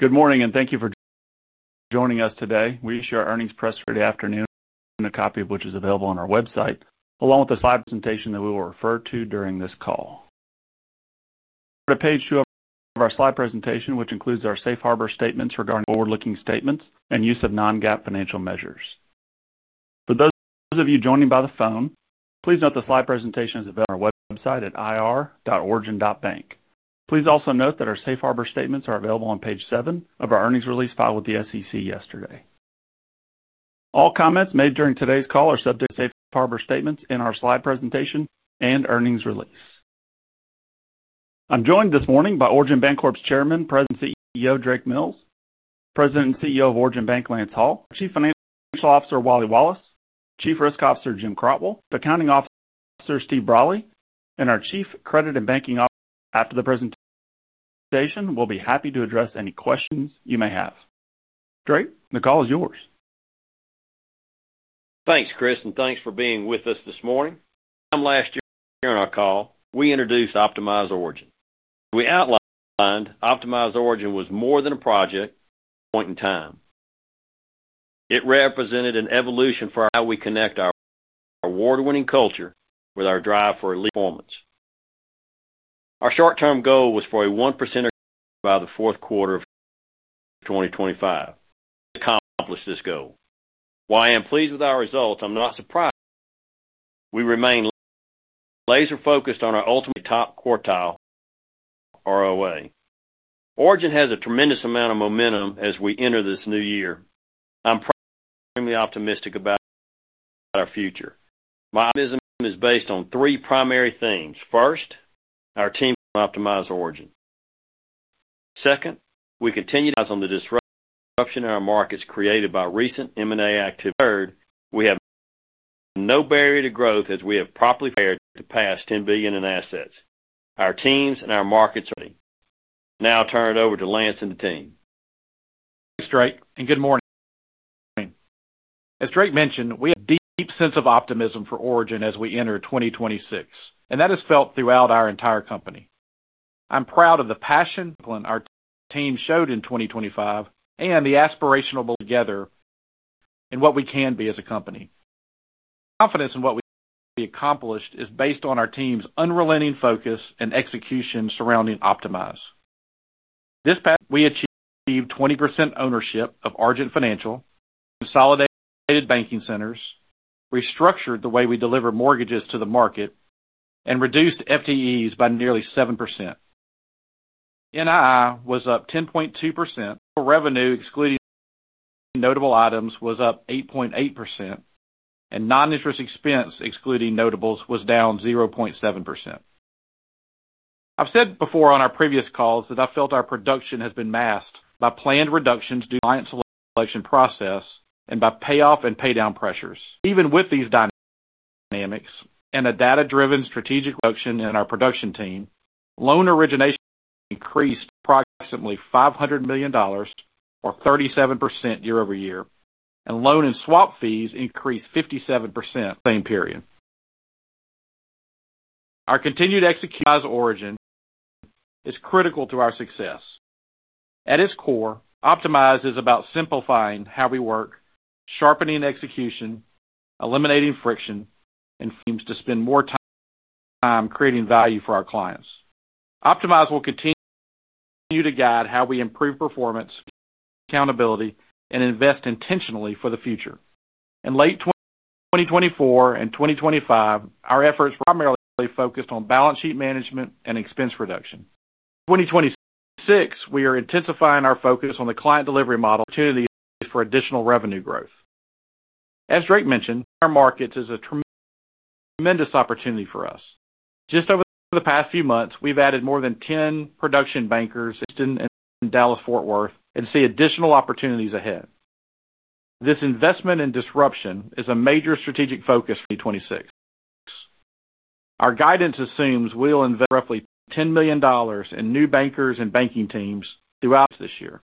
Good morning and thank you for joining us today. We issue our earnings press release every afternoon, a copy of which is available on our website, along with a slide presentation that we will refer to during this call. We're at page two of our slide presentation, which includes our safe harbor statements regarding forward-looking statements and use of non-GAAP financial measures. For those of you joining by the phone, please note the slide presentation is available on our website at ir.origin.bank. Please also note that our safe harbor statements are available on page seven of our earnings release filed with the SEC yesterday. All comments made during today's call are subject to safe harbor statements in our slide presentation and earnings release. I'm joined this morning by Origin Bancorp's Chairman, President and CEO Drake Mills, President and CEO of Origin Bank, Lance Hall, Chief Financial Officer Wally Wallace, Chief Risk Officer Jim Crotwell, Accounting Officer Steve Brolly, and our Chief Credit and Banking Officer Preston Moore. After the presentation, we'll be happy to address any questions you may have. Drake, the call is yours. Thanks, Chris, and thanks for being with us this morning. Last year on our call, we introduced Optimize Origin. We outlined Optimize Origin was more than a project at one point in time. It represented an evolution for how we connect our award-winning culture with our drive for performance. Our short-term goal was for a 1% ROA by the fourth quarter of 2025 to accomplish this goal. While I am pleased with our results, I'm not surprised. We remain laser-focused on our ultimate top quartile ROA. Origin has a tremendous amount of momentum as we enter this new year. I'm extremely optimistic about our future. My optimism is based on three primary themes. First, our team optimized Origin. Second, we continued to focus on the disruption in our markets created by recent M&A activity. Third, we have no barrier to growth as we have properly prepared to pass $10 billion in assets. Our teams and our markets are ready. Now I'll turn it over to Lance and the team. Thanks, Drake, and good morning. As Drake mentioned, we have a deep sense of optimism for Origin as we enter 2026, and that is felt throughout our entire company. I'm proud of the passion our team showed in 2025 and the aspirational goals together in what we can be as a company. Confidence in what we accomplished is based on our team's unrelenting focus and execution surrounding Optimize. This past year, we achieved 20% ownership of Argent Financial, consolidated banking centers, restructured the way we deliver mortgages to the market, and reduced FTEs by nearly 7%. NII was up 10.2%. Revenue, excluding notable items, was up 8.8%, and non-interest expense, excluding notables, was down 0.7%. I've said before on our previous calls that I felt our production has been masked by planned reductions due to the client selection process and by payoff and paydown pressures. Even with these dynamics and a data-driven strategic reduction in our production team, loan origination increased approximately $500 million, or 37% year-over-year, and loan and swap fees increased 57% the same period. Our continued execution of Optimize Origin is critical to our success. At its core, Optimize is about simplifying how we work, sharpening execution, eliminating friction, and teams to spend more time creating value for our clients. Optimize will continue to guide how we improve performance, accountability, and invest intentionally for the future. In late 2024 and 2025, our efforts were primarily focused on balance sheet management and expense reduction. In 2026, we are intensifying our focus on the client delivery model for opportunities for additional revenue growth. As Drake mentioned, our markets is a tremendous opportunity for us. Just over the past few months, we've added more than 10 production bankers in Houston and Dallas-Fort Worth and see additional opportunities ahead. This investment in disruption is a major strategic focus for 2026. Our guidance assumes we'll invest roughly $10 million in new bankers and banking teams throughout this year.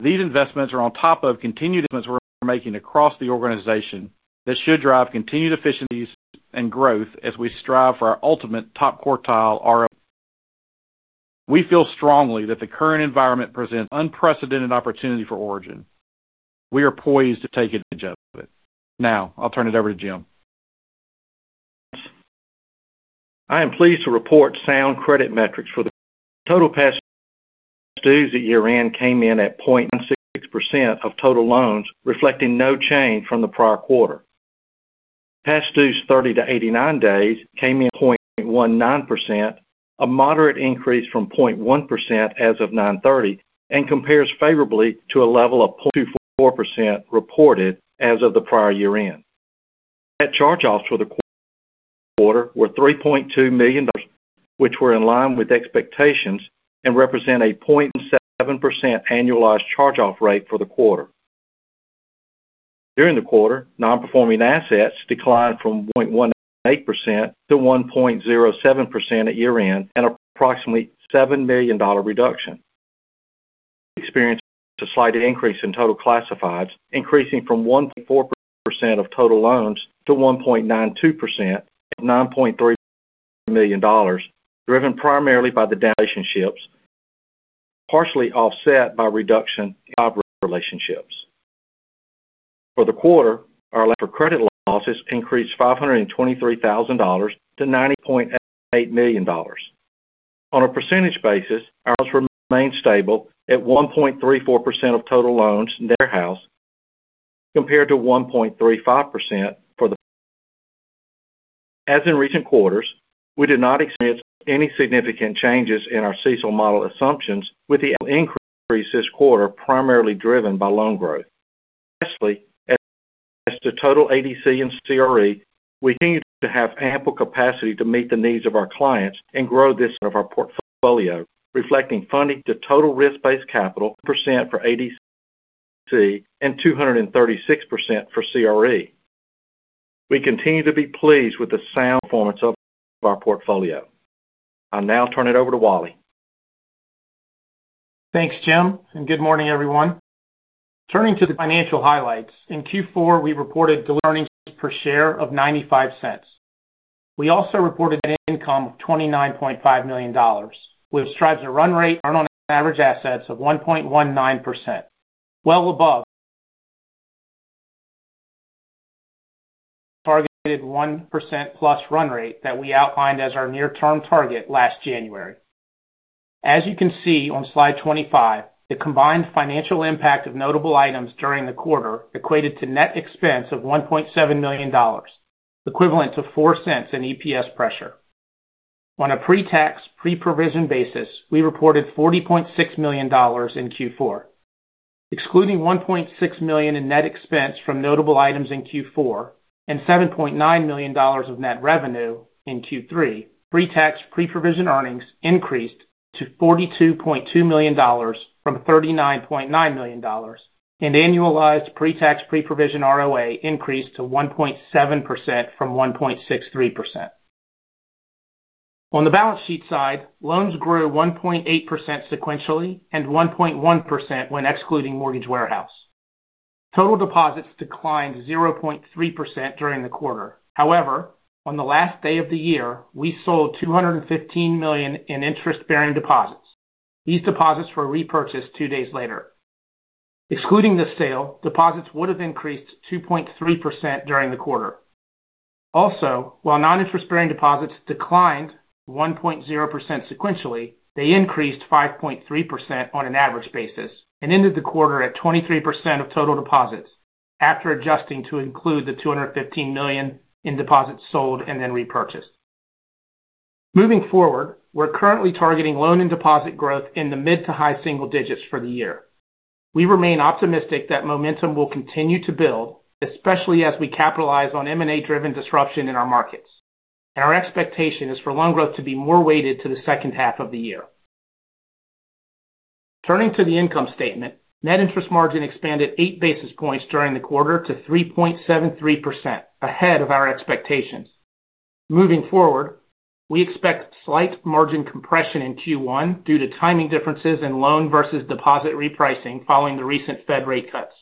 These investments are on top of continued investments we're making across the organization that should drive continued efficiencies and growth as we strive for our ultimate top quartile ROA. We feel strongly that the current environment presents an unprecedented opportunity for Origin. We are poised to take advantage of it. Now, I'll turn it over to Jim. I am pleased to report sound credit metrics for the total past dues at year-end came in at 0.96% of total loans, reflecting no change from the prior quarter. Past dues 30 days-89 days came in at 0.19%, a moderate increase from 0.1% as of 9/30, and compares favorably to a level of 0.24% reported as of the prior year-end. Net charge-offs for the quarter were $3.2 million, which were in line with expectations and represent a 0.17% annualized charge-off rate for the quarter. During the quarter, non-performing assets declined from 1.18% to 1.07% at year-end, an approximately $7 million reduction. We experienced a slight increase in total classifieds, increasing from 1.4% of total loans to 1.92%, $9.3 million, driven primarily by the downgraded relationships, partially offset by reduction in relationships. For the quarter, our credit losses increased $523,000 to $98 million. On a percentage basis, our loss remained stable at 1.34% of total loans and warehouse, compared to 1.35% for the quarter. As in recent quarters, we did not experience any significant changes in our CECL model assumptions, with the increase this quarter primarily driven by loan growth. Lastly, as to total ADC and CRE, we continue to have ample capacity to meet the needs of our clients and grow this part of our portfolio, reflecting funding to total risk-based capital, 72% for ADC and 236% for CRE. We continue to be pleased with the sound performance of our portfolio. I'll now turn it over to Wally. Thanks, Jim. Good morning, everyone. Turning to the financial highlights, in Q4, we reported diluted earnings per share of $0.95. We also reported net income of $29.5 million, which drives a run rate on average assets of 1.19%, well above the targeted 1%+ run rate that we outlined as our near-term target last January. As you can see on Slide 25, the combined financial impact of notable items during the quarter equated to net expense of $1.7 million, equivalent to $0.04 in EPS pressure. On a pre-tax, pre-provision basis, we reported $40.6 million in Q4. Excluding $1.6 million in net expense from notable items in Q4 and $7.9 million of net revenue in Q3, pre-tax, pre-provision earnings increased to $42.2 million from $39.9 million, and annualized pre-tax, pre-provision ROA increased to 1.7% from 1.63%. On the balance sheet side, loans grew 1.8% sequentially and 1.1% when excluding mortgage warehouse. Total deposits declined 0.3% during the quarter. However, on the last day of the year, we sold $215 million in interest-bearing deposits. These deposits were repurchased two days later. Excluding the sale, deposits would have increased 2.3% during the quarter. Also, while noninterest-bearing deposits declined 1.0% sequentially, they increased 5.3% on an average basis and ended the quarter at 23% of total deposits after adjusting to include the $215 million in deposits sold and then repurchased. Moving forward, we're currently targeting loan and deposit growth in the mid to high single digits for the year. We remain optimistic that momentum will continue to build, especially as we capitalize on M&A-driven disruption in our markets. Our expectation is for loan growth to be more weighted to the second half of the year. Turning to the income statement, net interest margin expanded 8 basis points during the quarter to 3.73%, ahead of our expectations. Moving forward, we expect slight margin compression in Q1 due to timing differences in loan versus deposit repricing following the recent Fed rate cuts.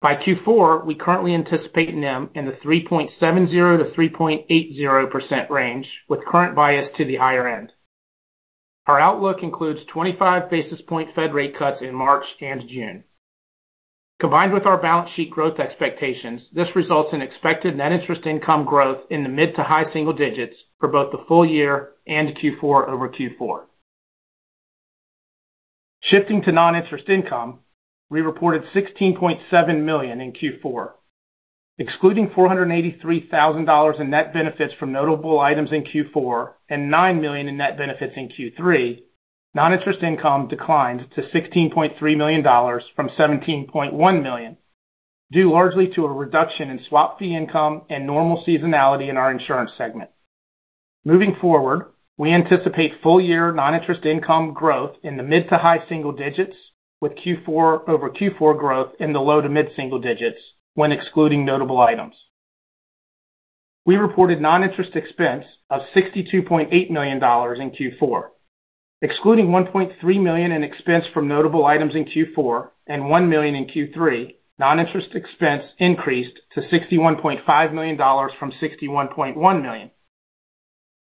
By Q4, we currently anticipate NIM in the 3.70%-3.80% range, with current bias to the higher end. Our outlook includes 25 basis point Fed rate cuts in March and June. Combined with our balance sheet growth expectations, this results in expected net interest income growth in the mid to high single digits for both the full year and Q4 over Q4. Shifting to non-interest income, we reported $16.7 million in Q4. Excluding $483,000 in net benefits from notable items in Q4 and $9 million in net benefits in Q3, non-interest income declined to $16.3 million from $17.1 million, due largely to a reduction in swap fee income and normal seasonality in our insurance segment. Moving forward, we anticipate full-year non-interest income growth in the mid to high single digits, with Q4 over Q4 growth in the low to mid single digits when excluding notable items. We reported non-interest expense of $62.8 million in Q4. Excluding $1.3 million in expense from notable items in Q4 and $1 million in Q3, non-interest expense increased to $61.5 million from $61.1 million.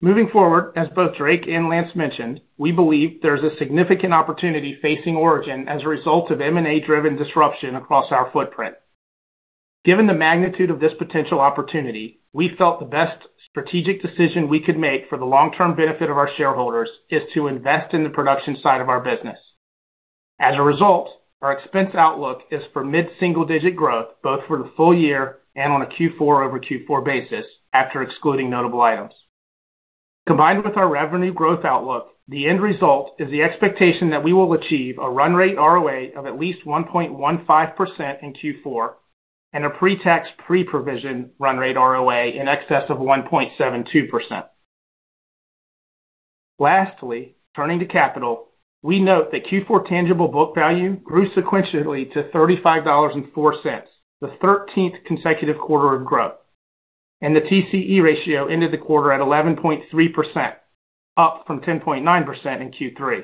Moving forward, as both Drake and Lance mentioned, we believe there is a significant opportunity facing Origin as a result of M&A-driven disruption across our footprint. Given the magnitude of this potential opportunity, we felt the best strategic decision we could make for the long-term benefit of our shareholders is to invest in the production side of our business. As a result, our expense outlook is for mid-single-digit growth both for the full year and on a Q4-over-Q4 basis after excluding notable items. Combined with our revenue growth outlook, the end result is the expectation that we will achieve a run rate ROA of at least 1.15% in Q4 and a pre-tax, pre-provision run rate ROA in excess of 1.72%. Lastly, turning to capital, we note that Q4 tangible book value grew sequentially to $35.04, the 13th consecutive quarter of growth, and the TCE ratio ended the quarter at 11.3%, up from 10.9% in Q3.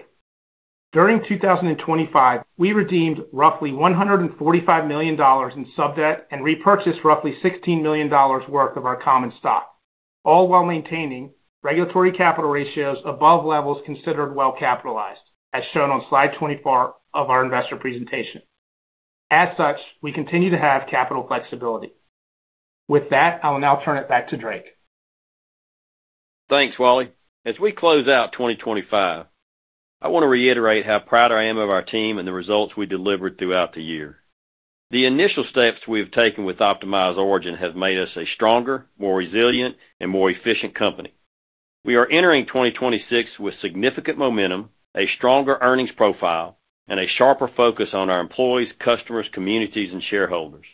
During 2025, we redeemed roughly $145 million in subdebt and repurchased roughly $16 million worth of our common stock, all while maintaining regulatory capital ratios above levels considered well capitalized, as shown on Slide 24 of our investor presentation. As such, we continue to have capital flexibility. With that, I will now turn it back to Drake. Thanks, Wally. As we close out 2025, I want to reiterate how proud I am of our team and the results we delivered throughout the year. The initial steps we have taken with Optimize Origin have made us a stronger, more resilient, and more efficient company. We are entering 2026 with significant momentum, a stronger earnings profile, and a sharper focus on our employees, customers, communities, and shareholders.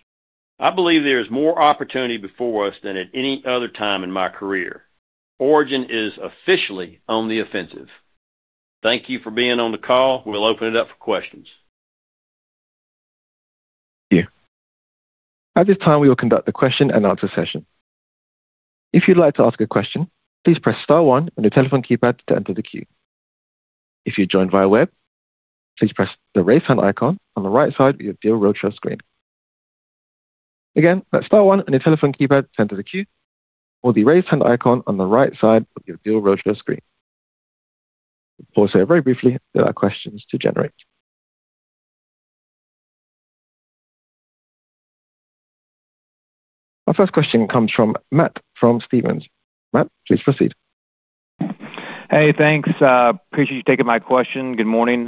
I believe there is more opportunity before us than at any other time in my career. Origin is officially on the offensive. Thank you for being on the call. We'll open it up for questions. Thank you. At this time, we will conduct the question and answer session. If you'd like to ask a question, please press star one on your telephone keypad to enter the queue. If you're joined via web, please press the raise hand icon on the right side of your Deal Roadshow screen. Again, press star one on your telephone keypad to enter the queue, or the raise hand icon on the right side of your Deal Roadshow screen. We'll pause here very briefly to allow questions to generate. Our first question comes from Matt from Stephens. Matt, please proceed. Hey, thanks. Appreciate you taking my question. Good morning.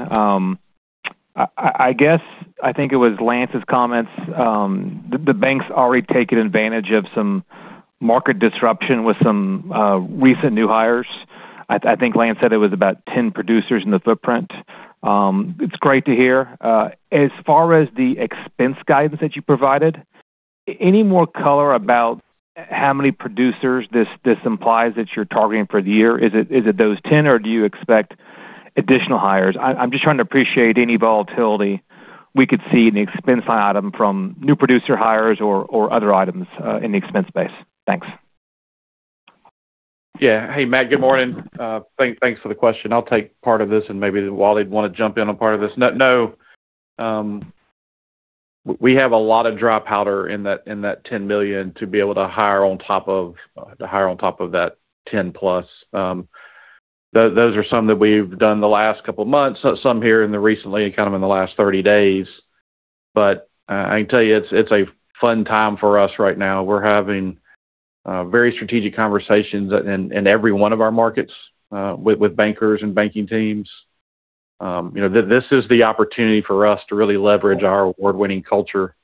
I guess I think it was Lance's comments. The banks already take advantage of some market disruption with some recent new hires. I think Lance said it was about 10 producers in the footprint. It's great to hear. As far as the expense guidance that you provided, any more color about how many producers this implies that you're targeting for the year? Is it those 10, or do you expect additional hires? I'm just trying to appreciate any volatility we could see in the expense item from new producer hires or other items in the expense space. Thanks. Yeah. Hey, Matt, good morning. Thanks for the question. I'll take part of this, and maybe Wally would want to jump in on part of this. No. We have a lot of dry powder in that $10 million to be able to hire on top of to hire on top of that $10+ million. Those are some that we've done the last couple of months, some here in the recently and kind of in the last 30 days. But I can tell you it's a fun time for us right now. We're having very strategic conversations in every one of our markets with bankers and banking teams. This is the opportunity for us to really leverage our award-winning culture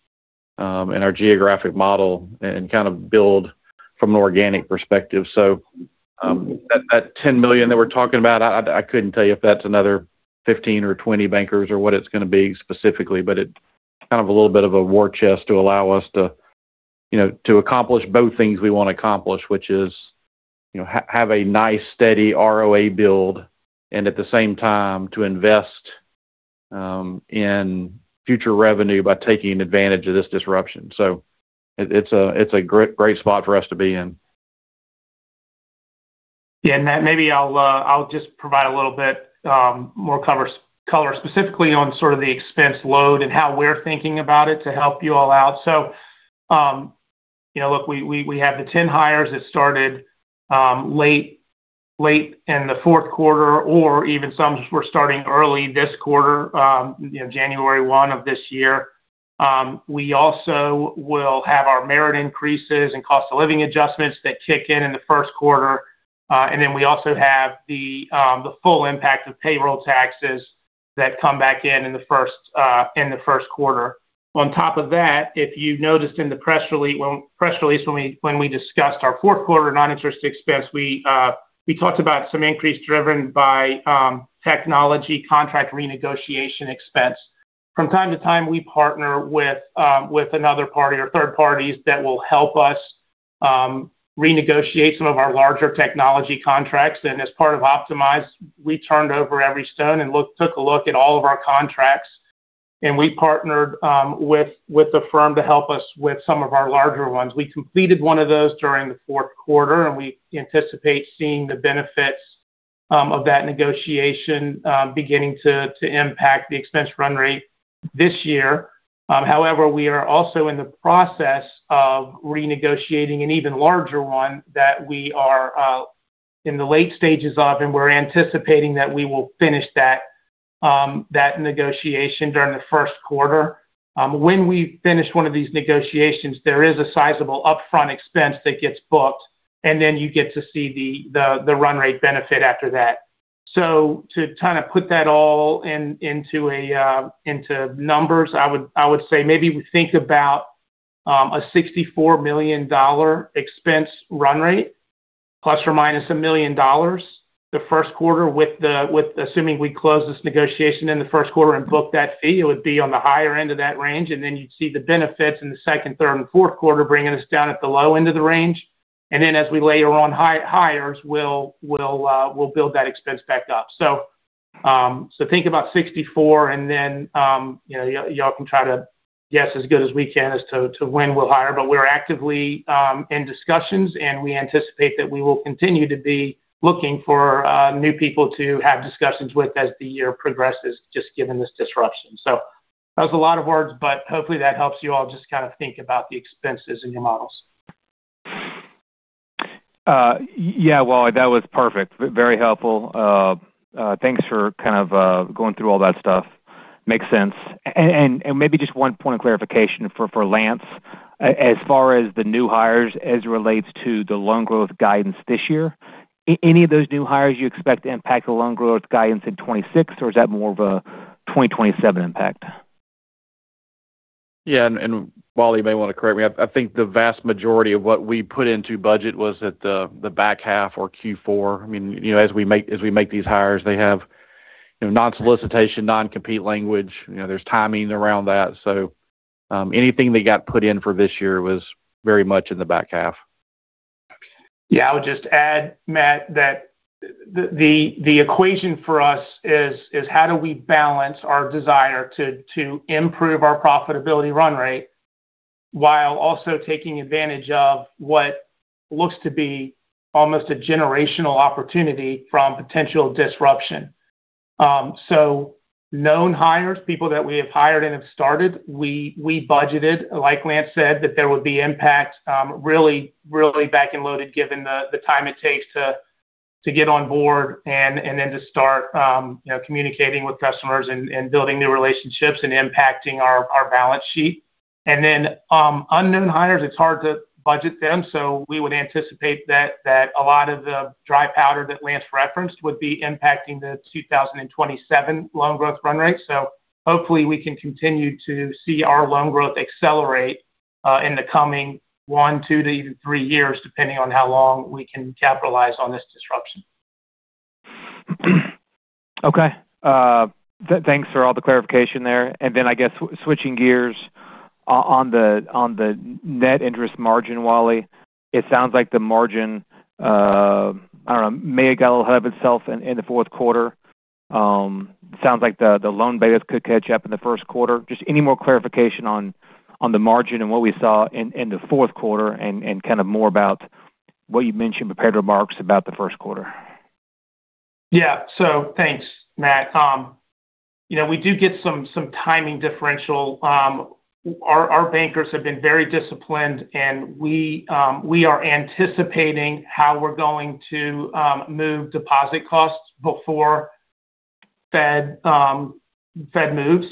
and our geographic model and kind of build from an organic perspective. That $10 million that we're talking about, I couldn't tell you if that's another 15 or 20 bankers or what it's going to be specifically, but it's kind of a little bit of a war chest to allow us to accomplish both things we want to accomplish, which is have a nice, steady ROA build and at the same time to invest in future revenue by taking advantage of this disruption. It's a great spot for us to be in. Yeah. Matt, maybe I'll just provide a little bit more color specifically on sort of the expense load and how we're thinking about it to help you all out. So look, we have the 10 hires that started late in the fourth quarter or even some were starting early this quarter, January 1 of this year. We also will have our merit increases and cost of living adjustments that kick in in the first quarter. And then we also have the full impact of payroll taxes that come back in in the first quarter. On top of that, if you noticed in the press release when we discussed our fourth quarter noninterest expense, we talked about some increase driven by technology contract renegotiation expense. From time to time, we partner with another party or third parties that will help us renegotiate some of our larger technology contracts. As part of Optimize, we turned over every stone and took a look at all of our contracts. We partnered with the firm to help us with some of our larger ones. We completed one of those during the fourth quarter, and we anticipate seeing the benefits of that negotiation beginning to impact the expense run rate this year. However, we are also in the process of renegotiating an even larger one that we are in the late stages of, and we're anticipating that we will finish that negotiation during the first quarter. When we finish one of these negotiations, there is a sizable upfront expense that gets booked, and then you get to see the run rate benefit after that. To kind of put that all into numbers, I would say maybe we think about a $64 million expense run rate ± $1 million the first quarter, assuming we close this negotiation in the first quarter and book that fee. It would be on the higher end of that range. Then you'd see the benefits in the second, third, and fourth quarter bringing us down at the low end of the range. Then as we layer on hires, we'll build that expense back up. Think about 64, and then y'all can try to guess as good as we can as to when we'll hire. We're actively in discussions, and we anticipate that we will continue to be looking for new people to have discussions with as the year progresses, just given this disruption. That was a lot of words, but hopefully that helps you all just kind of think about the expenses and your models. Yeah, Wally, that was perfect. Very helpful. Thanks for kind of going through all that stuff. Makes sense. And maybe just one point of clarification for Lance. As far as the new hires as it relates to the loan growth guidance this year, any of those new hires you expect to impact the loan growth guidance in 2026, or is that more of a 2027 impact? Yeah. And Wally, you may want to correct me. I think the vast majority of what we put into budget was at the back half or Q4. I mean, as we make these hires, they have non-solicitation, non-compete language. There's timing around that. So anything that got put in for this year was very much in the back half. Yeah. I would just add, Matt, that the equation for us is how do we balance our desire to improve our profitability run rate while also taking advantage of what looks to be almost a generational opportunity from potential disruption. So known hires, people that we have hired and have started, we budgeted, like Lance said, that there would be impact really back and loaded given the time it takes to get on board and then to start communicating with customers and building new relationships and impacting our balance sheet. And then unknown hires, it's hard to budget them. So we would anticipate that a lot of the dry powder that Lance referenced would be impacting the 2027 loan growth run rate. Hopefully we can continue to see our loan growth accelerate in the coming one, two, to even three years, depending on how long we can capitalize on this disruption. Okay. Thanks for all the clarification there. Then I guess switching gears on the net interest margin, Wally, it sounds like the margin, I don't know, may have got a little ahead of itself in the fourth quarter. It sounds like the loan betas could catch up in the first quarter. Just any more clarification on the margin and what we saw in the fourth quarter and kind of more about what you mentioned, prepared remarks about the first quarter. Yeah. So thanks, Matt. We do get some timing differential. Our bankers have been very disciplined, and we are anticipating how we're going to move deposit costs before Fed moves.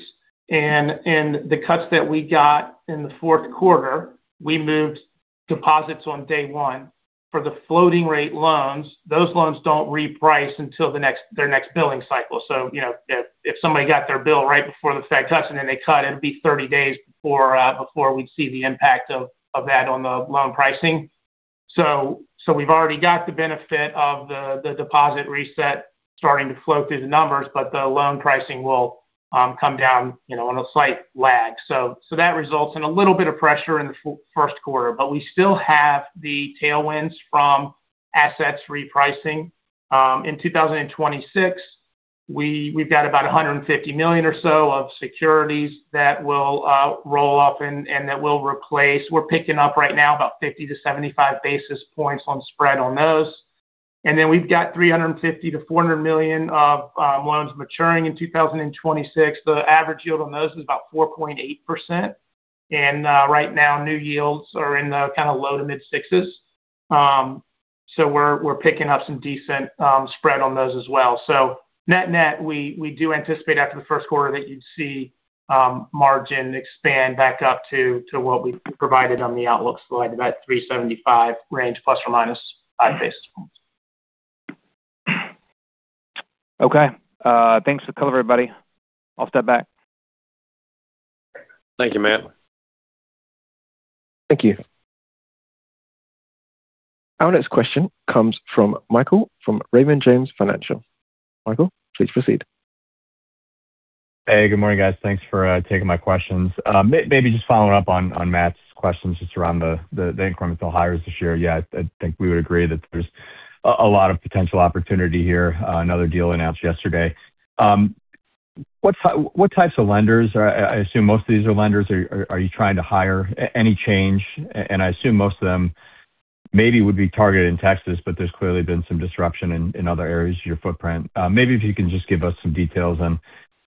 And the cuts that we got in the fourth quarter, we moved deposits on day one. For the floating-rate loans, those loans don't reprice until their next billing cycle. So if somebody got their bill right before the Fed cuts and then they cut, it'll be 30 days before we'd see the impact of that on the loan pricing. So we've already got the benefit of the deposit reset starting to flow through the numbers, but the loan pricing will come down on a slight lag. So that results in a little bit of pressure in the first quarter. But we still have the tailwinds from assets repricing. In 2026, we've got about $150 million or so of securities that will roll off and that will replace. We're picking up right now about 50 basis points-75 basis points on spread on those. And then we've got $350 million-$400 million of loans maturing in 2026. The average yield on those is about 4.8%. And right now, new yields are in the kind of low to mid-sixes. So we're picking up some decent spread on those as well. So net net, we do anticipate after the first quarter that you'd see margin expand back up to what we provided on the outlook slide, about 375 range, ±5 basis points. Okay. Thanks for the color, everybody. I'll step back. Thank you, Matt. Thank you. Our next question comes from Michael from Raymond James Financial. Michael, please proceed. Hey, good morning, guys. Thanks for taking my questions. Maybe just following up on Matt's questions just around the incremental hires this year. Yeah, I think we would agree that there's a lot of potential opportunity here. Another deal announced yesterday. What types of lenders? I assume most of these are lenders. Are you trying to hire? Any change? And I assume most of them maybe would be targeted in Texas, but there's clearly been some disruption in other areas of your footprint. Maybe if you can just give us some details on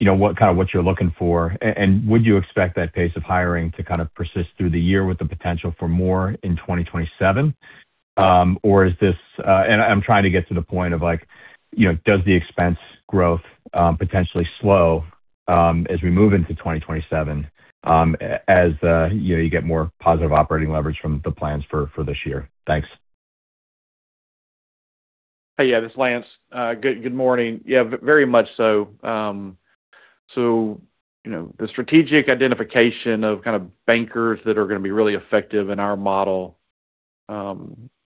kind of what you're looking for. And would you expect that pace of hiring to kind of persist through the year with the potential for more in 2027? Or is this, and I'm trying to get to the point of, does the expense growth potentially slow as we move into 2027 as you get more positive operating leverage from the plans for this year? Thanks. Hey, yeah, this is Lance. Good morning. Yeah, very much so. So the strategic identification of kind of bankers that are going to be really effective in our model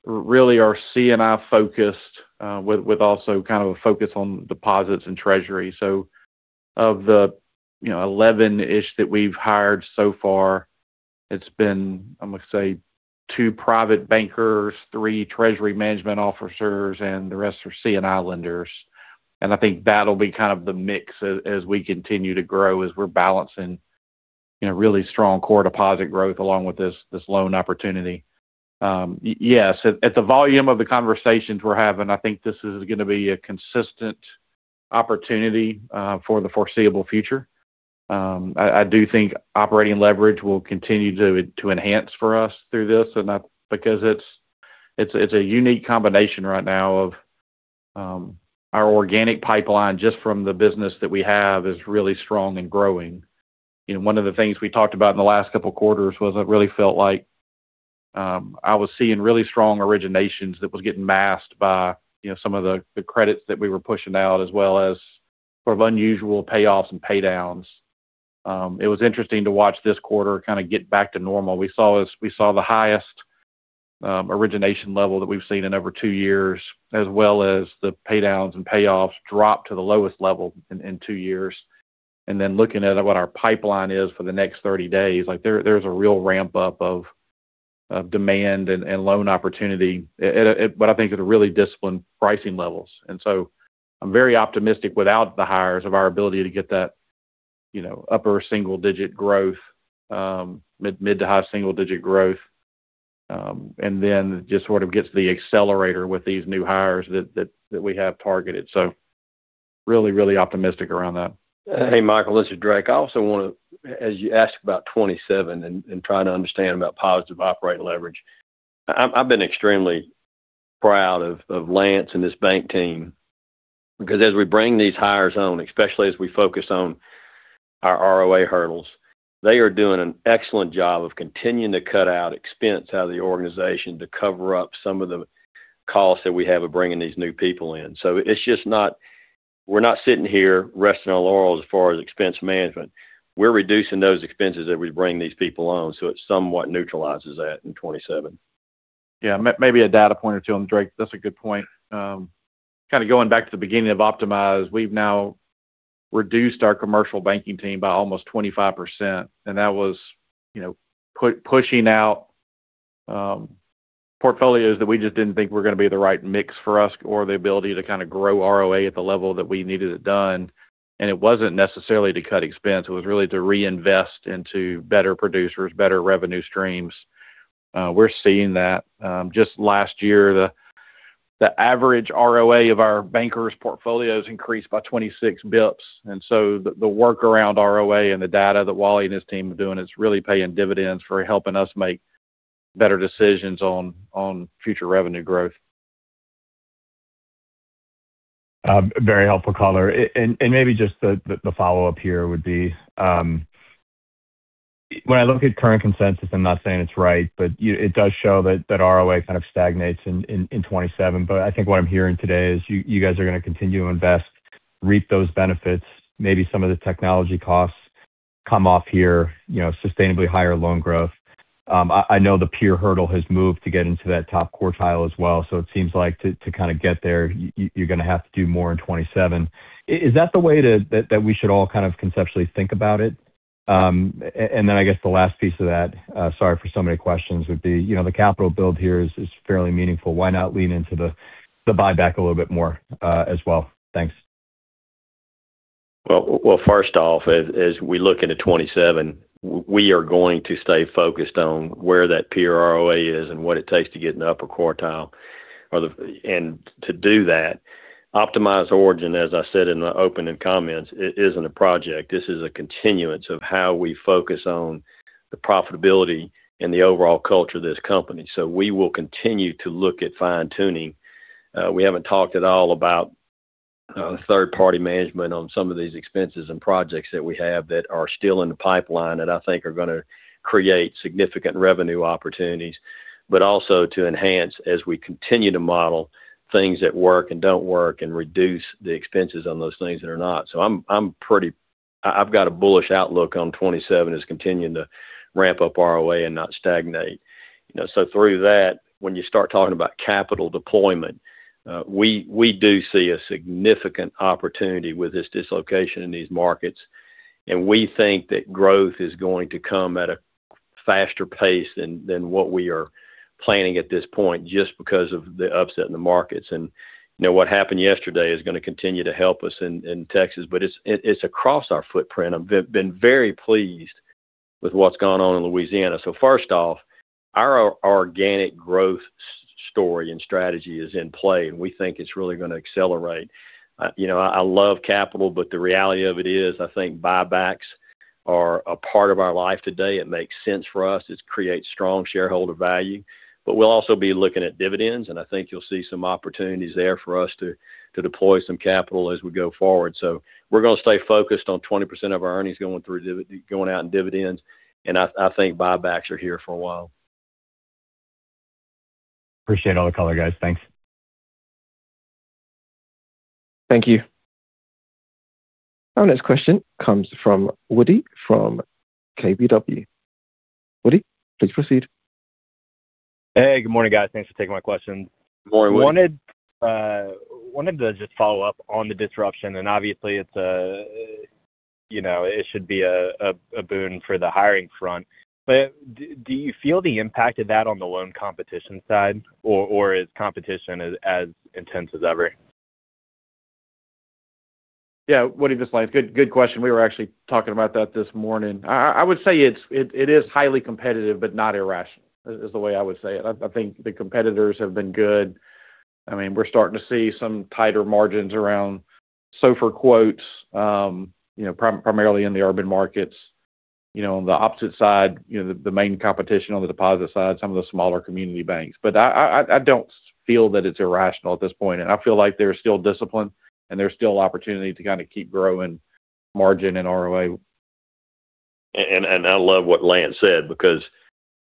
really are C&I-focused with also kind of a focus on deposits and treasuries. So of the 11-ish that we've hired so far, it's been, I'm going to say, two private bankers, three treasury management officers, and the rest are C&I lenders. And I think that'll be kind of the mix as we continue to grow as we're balancing really strong core deposit growth along with this loan opportunity. Yes, at the volume of the conversations we're having, I think this is going to be a consistent opportunity for the foreseeable future. I do think operating leverage will continue to enhance for us through this. Because it's a unique combination right now of our organic pipeline just from the business that we have is really strong and growing. One of the things we talked about in the last couple of quarters was I really felt like I was seeing really strong originations that were getting masked by some of the credits that we were pushing out, as well as sort of unusual payoffs and paydowns. It was interesting to watch this quarter kind of get back to normal. We saw the highest origination level that we've seen in over two years, as well as the paydowns and payoffs drop to the lowest level in two years. And then looking at what our pipeline is for the next 30 days, there's a real ramp-up of demand and loan opportunity, but I think at a really disciplined pricing levels. And so I'm very optimistic without the hires of our ability to get that upper single-digit growth, mid- to high single-digit growth, and then just sort of gets the accelerator with these new hires that we have targeted. So really, really optimistic around that. Hey, Michael, this is Drake. I also want to, as you asked about 2027 and trying to understand about positive operating leverage, I've been extremely proud of Lance and his bank team because as we bring these hires on, especially as we focus on our ROA hurdles, they are doing an excellent job of continuing to cut out expense out of the organization to cover up some of the costs that we have of bringing these new people in. So it's just not. We're not sitting here resting our laurels as far as expense management. We're reducing those expenses as we bring these people on. So it somewhat neutralizes that in 2027. Yeah. Maybe a data point or two on Drake. That's a good point. Kind of going back to the beginning of Optimize, we've now reduced our commercial banking team by almost 25%. That was pushing out portfolios that we just didn't think were going to be the right mix for us or the ability to kind of grow ROA at the level that we needed it done. It wasn't necessarily to cut expense. It was really to reinvest into better producers, better revenue streams. We're seeing that. Just last year, the average ROA of our bankers' portfolios increased by 26 basis points. So the workaround ROA and the data that Wally and his team are doing, it's really paying dividends for helping us make better decisions on future revenue growth. Very helpful, color. Maybe just the follow-up here would be, when I look at current consensus, I'm not saying it's right, but it does show that ROA kind of stagnates in 2027. I think what I'm hearing today is you guys are going to continue to invest, reap those benefits, maybe some of the technology costs come off here, sustainably higher loan growth. I know the peer hurdle has moved to get into that top quartile as well. It seems like to kind of get there, you're going to have to do more in 2027. Is that the way that we should all kind of conceptually think about it? Then I guess the last piece of that, sorry for so many questions, would be the capital build here is fairly meaningful. Why not lean into the buyback a little bit more as well? Thanks. Well, first off, as we look into 2027, we are going to stay focused on where that peer ROA is and what it takes to get in the upper quartile. And to do that, Optimize Origin, as I said in the opening comments, isn't a project. This is a continuance of how we focus on the profitability and the overall culture of this company. So we will continue to look at fine-tuning. We haven't talked at all about third-party management on some of these expenses and projects that we have that are still in the pipeline that I think are going to create significant revenue opportunities, but also to enhance as we continue to model things that work and don't work and reduce the expenses on those things that are not. So I've got a bullish outlook on 2027 as continuing to ramp up ROA and not stagnate. So through that, when you start talking about capital deployment, we do see a significant opportunity with this dislocation in these markets. And we think that growth is going to come at a faster pace than what we are planning at this point just because of the upset in the markets. And what happened yesterday is going to continue to help us in Texas, but it's across our footprint. I've been very pleased with what's gone on in Louisiana. So first off, our organic growth story and strategy is in play. We think it's really going to accelerate. I love capital, but the reality of it is I think buybacks are a part of our life today. It makes sense for us. It creates strong shareholder value. But we'll also be looking at dividends, and I think you'll see some opportunities there for us to deploy some capital as we go forward. So we're going to stay focused on 20% of our earnings going out in dividends. And I think buybacks are here for a while. Appreciate all the color, guys. Thanks. Thank you. Our next question comes from Woody from KBW. Woody, please proceed. Hey, good morning, guys. Thanks for taking my question. Good morning, Woody. I wanted to just follow up on the disruption. Obviously, it should be a boon for the hiring front. Do you feel the impact of that on the loan competition side, or is competition as intense as ever? Yeah, what do you just like? Good question. We were actually talking about that this morning. I would say it is highly competitive, but not irrational, is the way I would say it. I think the competitors have been good. I mean, we're starting to see some tighter margins around SOFR quotes, primarily in the urban markets. On the opposite side, the main competition on the deposit side, some of the smaller community banks. But I don't feel that it's irrational at this point. And I feel like there's still discipline, and there's still opportunity to kind of keep growing margin and ROA. I love what Lance said because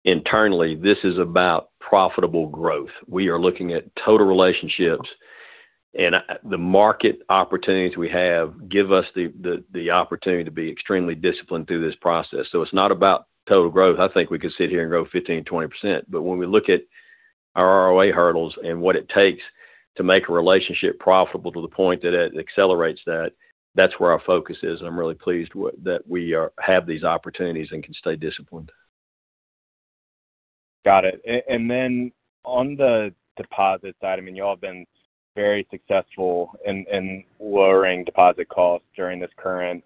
internally, this is about profitable growth. We are looking at total relationships. The market opportunities we have give us the opportunity to be extremely disciplined through this process. It's not about total growth. I think we could sit here and grow 15%-20%. When we look at our ROA hurdles and what it takes to make a relationship profitable to the point that it accelerates that, that's where our focus is. I'm really pleased that we have these opportunities and can stay disciplined. Got it. And then on the deposit side, I mean, y'all have been very successful in lowering deposit costs during this current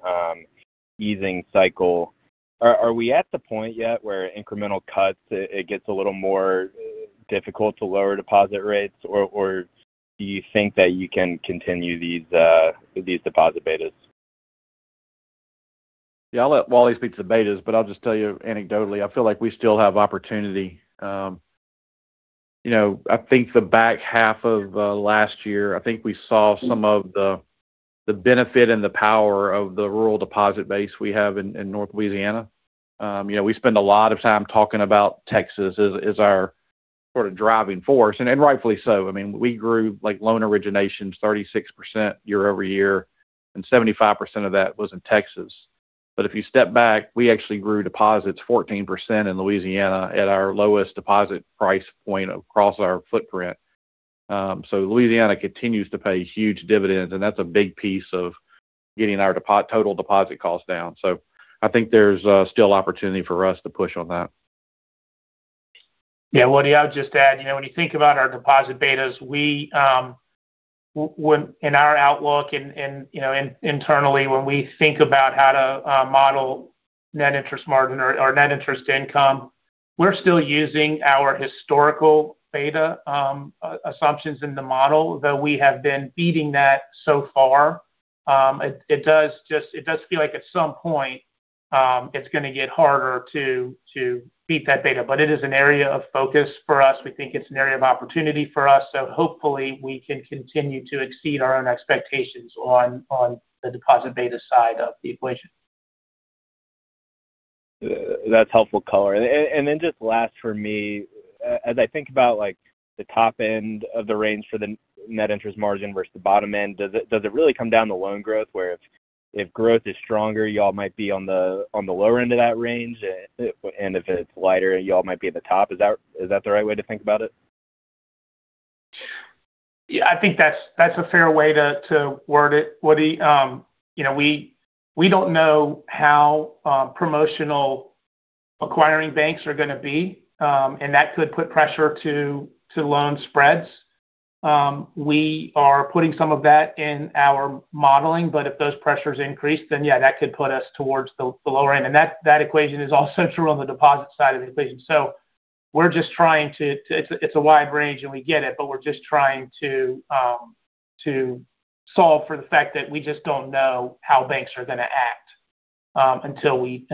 easing cycle. Are we at the point yet where incremental cuts, it gets a little more difficult to lower deposit rates, or do you think that you can continue these deposit betas? Yeah, I'll let Wally speak to the betas, but I'll just tell you anecdotally, I feel like we still have opportunity. I think the back half of last year, I think we saw some of the benefit and the power of the rural deposit base we have in North Louisiana. We spend a lot of time talking about Texas as our sort of driving force. And rightfully so. I mean, we grew loan originations 36% year-over-year, and 75% of that was in Texas. But if you step back, we actually grew deposits 14% in Louisiana at our lowest deposit price point across our footprint. So Louisiana continues to pay huge dividends, and that's a big piece of getting our total deposit costs down. So I think there's still opportunity for us to push on that. Yeah, Woody, I'll just add, when you think about our deposit betas, in our outlook and internally, when we think about how to model net interest margin or net interest income, we're still using our historical beta assumptions in the model, though we have been beating that so far. It does feel like at some point, it's going to get harder to beat that beta. But it is an area of focus for us. We think it's an area of opportunity for us. So hopefully, we can continue to exceed our own expectations on the deposit beta side of the equation. That's helpful, color. Just last for me, as I think about the top end of the range for the net interest margin versus the bottom end, does it really come down to loan growth where if growth is stronger, y'all might be on the lower end of that range, and if it's lighter, y'all might be at the top? Is that the right way to think about it? Yeah, I think that's a fair way to word it, Woody. We don't know how promotional acquiring banks are going to be, and that could put pressure to loan spreads. We are putting some of that in our modeling, but if those pressures increase, then yeah, that could put us towards the lower end. And that equation is all central on the deposit side of the equation. So we're just trying to. It's a wide range, and we get it, but we're just trying to solve for the fact that we just don't know how banks are going to act until we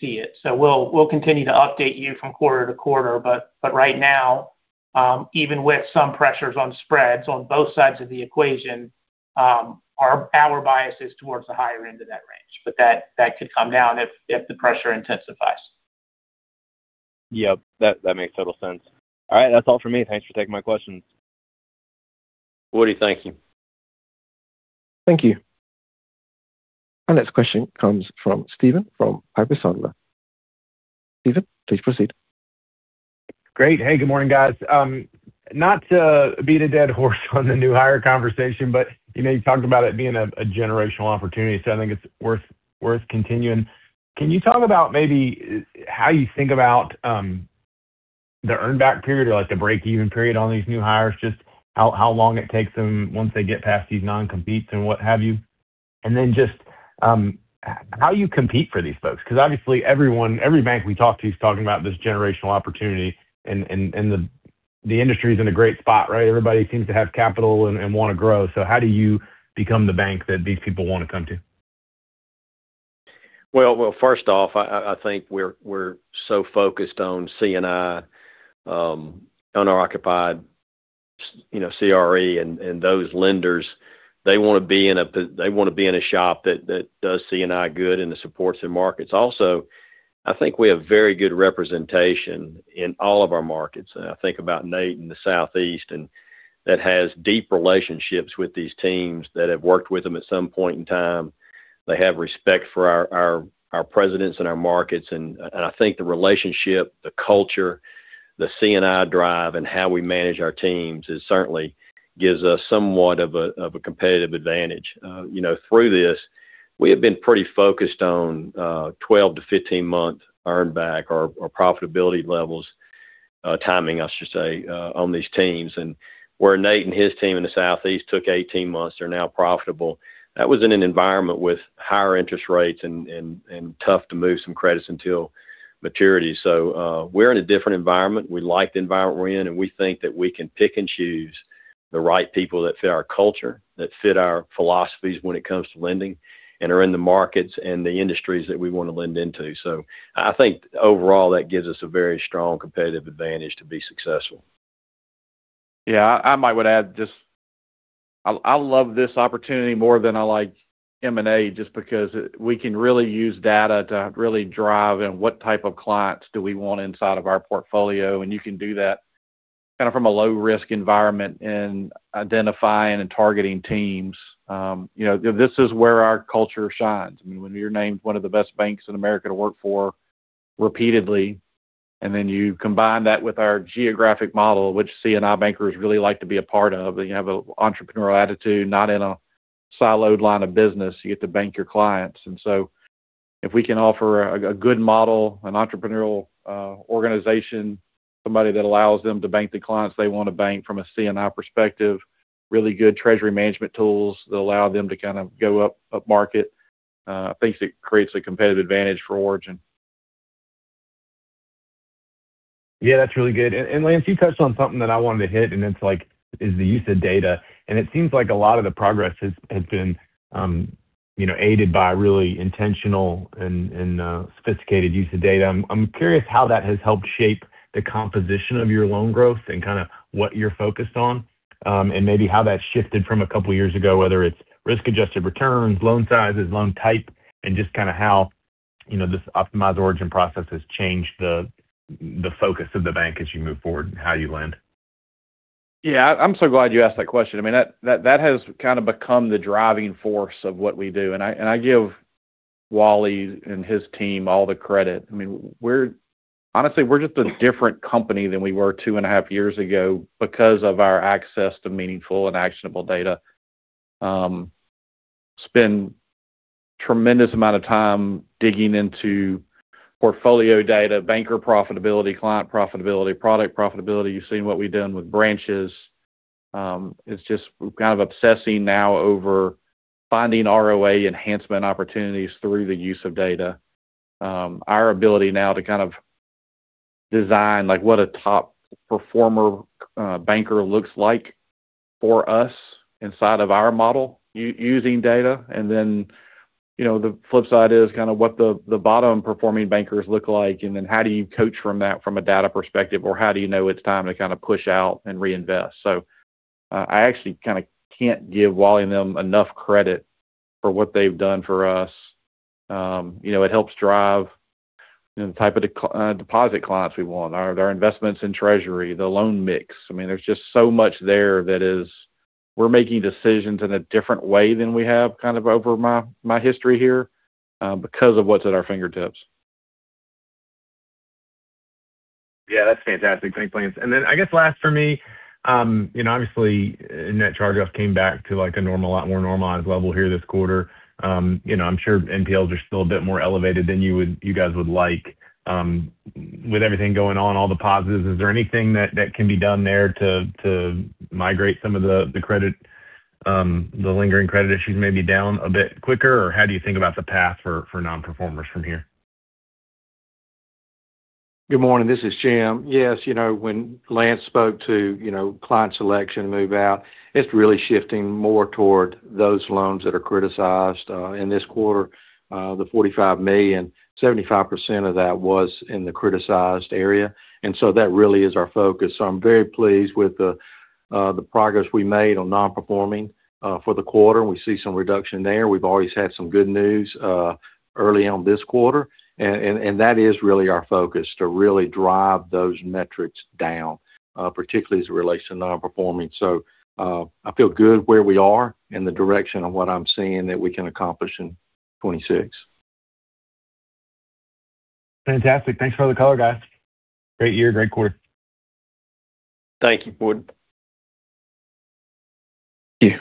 see it. So we'll continue to update you from quarter to quarter. But right now, even with some pressures on spreads on both sides of the equation, our bias is towards the higher end of that range. But that could come down if the pressure intensifies. Yep. That makes total sense. All right. That's all for me. Thanks for taking my questions. Woody, thank you. Thank you. Our next question comes from Stephen from Piper Sandler. Stephen, please proceed. Great. Hey, good morning, guys. Not to beat a dead horse on the new hire conversation, but you talked about it being a generational opportunity, so I think it's worth continuing. Can you talk about maybe how you think about the earnback period or the break-even period on these new hires, just how long it takes them once they get past these non-competes and what have you? And then just how you compete for these folks? Because obviously, every bank we talk to is talking about this generational opportunity, and the industry is in a great spot, right? Everybody seems to have capital and want to grow. So how do you become the bank that these people want to come to? Well, first off, I think we're so focused on C&I, owner-occupied CRE, and those lenders. They want to be in a shop that does C&I good and that supports their markets. Also, I think we have very good representation in all of our markets. And I think about Nate in the Southeast, and that has deep relationships with these teams that have worked with them at some point in time. They have respect for our presidents and our markets. And I think the relationship, the culture, the C&I drive, and how we manage our teams certainly gives us somewhat of a competitive advantage. Through this, we have been pretty focused on 12 month-15-month earnback or profitability levels, timing, I should say, on these teams. And where Nate and his team in the Southeast took 18 months, they're now profitable. That was in an environment with higher interest rates and tough to move some credits until maturity. So we're in a different environment. We like the environment we're in, and we think that we can pick and choose the right people that fit our culture, that fit our philosophies when it comes to lending, and are in the markets and the industries that we want to lend into. So I think overall, that gives us a very strong competitive advantage to be successful. Yeah, I might want to add just I love this opportunity more than I like M&A just because we can really use data to really drive what type of clients do we want inside of our portfolio. And you can do that kind of from a low-risk environment and identifying and targeting teams. This is where our culture shines. I mean, when you're named one of the best banks in America to work for repeatedly, and then you combine that with our geographic model, which C&I bankers really like to be a part of, that you have an entrepreneurial attitude, not in a siloed line of business, you get to bank your clients. And so if we can offer a good model, an entrepreneurial organization, somebody that allows them to bank the clients they want to bank from a C&I perspective, really good treasury management tools that allow them to kind of go up market, I think it creates a competitive advantage for Origin. Yeah, that's really good. And Lance, you touched on something that I wanted to hit, and it's like is the use of data. It seems like a lot of the progress has been aided by really intentional and sophisticated use of data. I'm curious how that has helped shape the composition of your loan growth and kind of what you're focused on, and maybe how that shifted from a couple of years ago, whether it's risk-adjusted returns, loan sizes, loan type, and just kind of how this Optimize Origin process has changed the focus of the bank as you move forward and how you lend. Yeah, I'm so glad you asked that question. I mean, that has kind of become the driving force of what we do. I give Wally and his team all the credit. I mean, honestly, we're just a different company than we were two and a half years ago because of our access to meaningful and actionable data. Spend a tremendous amount of time digging into portfolio data, banker profitability, client profitability, product profitability. You've seen what we've done with branches. It's just kind of obsessing now over finding ROA enhancement opportunities through the use of data. Our ability now to kind of design what a top performer banker looks like for us inside of our model using data. And then the flip side is kind of what the bottom-performing bankers look like, and then how do you coach from that from a data perspective, or how do you know it's time to kind of push out and reinvest? So I actually kind of can't give Wally and them enough credit for what they've done for us. It helps drive the type of deposit clients we want, our investments in treasury, the loan mix. I mean, there's just so much there that we're making decisions in a different way than we have kind of over my history here because of what's at our fingertips. Yeah, that's fantastic. Thanks, Lance. And then I guess last for me, obviously, net charge-off came back to a lot more normalized level here this quarter. I'm sure NPLs are still a bit more elevated than you guys would like. With everything going on, all the positives, is there anything that can be done there to migrate some of the lingering credit issues maybe down a bit quicker, or how do you think about the path for non-performers from here? Good morning. This is Jim. Yes, when Lance spoke to client selection and move out, it's really shifting more toward those loans that are criticized in this quarter, the $45 million. 75% of that was in the criticized area. And so that really is our focus. So I'm very pleased with the progress we made on non-performing for the quarter. We see some reduction there. We've always had some good news early on this quarter. And that is really our focus to really drive those metrics down, particularly as it relates to non-performing. So I feel good where we are in the direction of what I'm seeing that we can accomplish in 2026. Fantastic. Thanks for the color, guys. Great year, great quarter. Thank you, Woody. Thank you.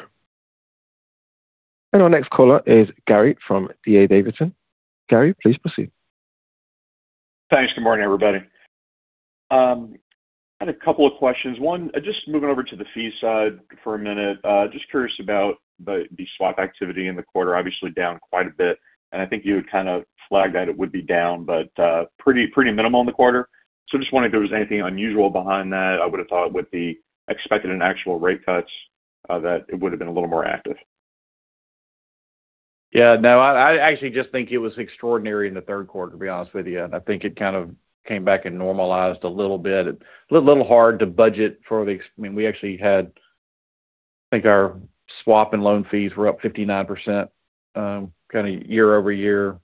Our next caller is Gary from D.A. Davidson. Gary, please proceed. Thanks. Good morning, everybody. I had a couple of questions. One, just moving over to the fee side for a minute. Just curious about the swap activity in the quarter. Obviously, down quite a bit. And I think you had kind of flagged that it would be down, but pretty minimal in the quarter. So just wondering if there was anything unusual behind that. I would have thought with the expected and actual rate cuts that it would have been a little more active. Yeah. No, I actually just think it was extraordinary in the third quarter, to be honest with you. And I think it kind of came back and normalized a little bit. A little hard to budget for the—I mean, we actually had, I think our swap and loan fees were up 59% kind of year-over-year.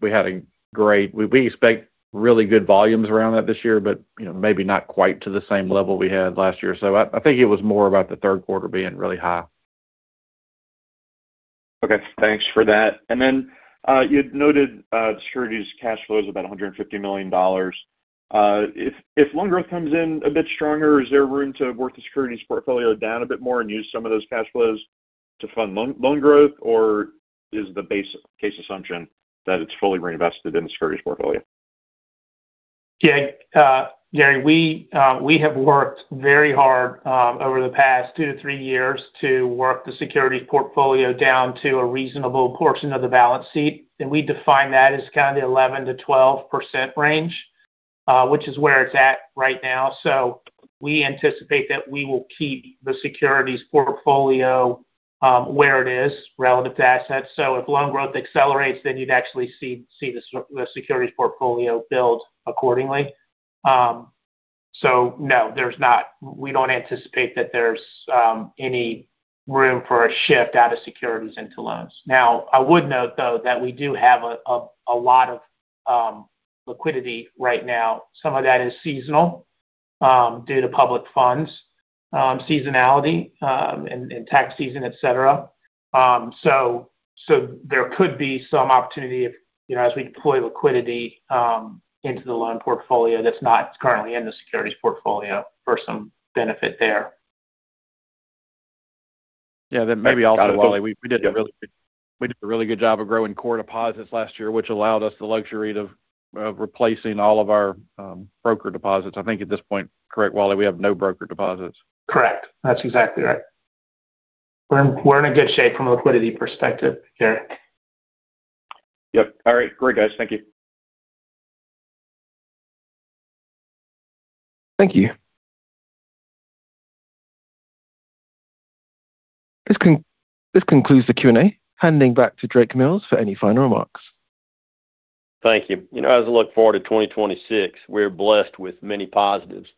We had a great—we expect really good volumes around that this year, but maybe not quite to the same level we had last year. So I think it was more about the third quarter being really high. Okay. Thanks for that. And then you had noted securities cash flow is about $150 million. If loan growth comes in a bit stronger, is there room to work the securities portfolio down a bit more and use some of those cash flows to fund loan growth, or is the base case assumption that it's fully reinvested in the securities portfolio? Yeah. Gary, we have worked very hard over the past two to three years to work the securities portfolio down to a reasonable portion of the balance sheet. We define that as kind of the 11%-12% range, which is where it's at right now. We anticipate that we will keep the securities portfolio where it is relative to assets. If loan growth accelerates, then you'd actually see the securities portfolio build accordingly. No, we don't anticipate that there's any room for a shift out of securities into loans. Now, I would note, though, that we do have a lot of liquidity right now. Some of that is seasonal due to public funds, seasonality and tax season, etc. There could be some opportunity as we deploy liquidity into the loan portfolio that's not currently in the securities portfolio for some benefit there. Yeah, maybe also, Wally, we did a really good job of growing core deposits last year, which allowed us the luxury of replacing all of our brokered deposits. I think at this point, correct, Wally? We have no brokered deposits. Correct. That's exactly right. We're in a good shape from a liquidity perspective here. Yep. All right. Great, guys. Thank you. Thank you. This concludes the Q&A. Handing back to Drake Mills for any final remarks. Thank you. As I look forward to 2026, we're blessed with many positives: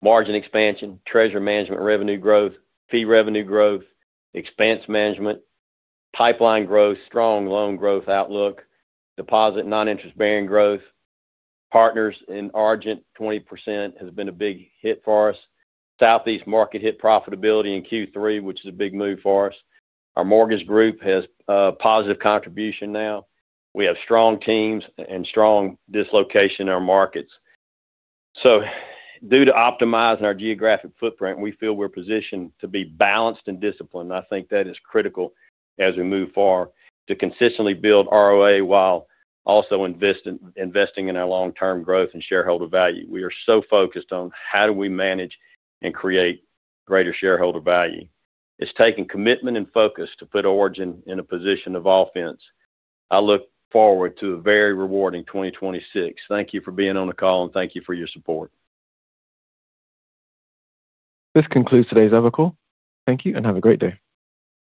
margin expansion, treasury management revenue growth, fee revenue growth, expense management, pipeline growth, strong loan growth outlook, deposit noninterest-bearing growth. Partners in Argent 20% has been a big hit for us. Southeast market hit profitability in Q3, which is a big move for us. Our mortgage group has a positive contribution now. We have strong teams and strong dislocation in our markets. Due to optimizing our geographic footprint, we feel we're positioned to be balanced and disciplined. I think that is critical as we move forward to consistently build ROA while also investing in our long-term growth and shareholder value. We are so focused on how do we manage and create greater shareholder value. It's taken commitment and focus to put Origin in a position of offense. I look forward to a very rewarding 2026. Thank you for being on the call, and thank you for your support. This concludes today's article. Thank you, and have a great day.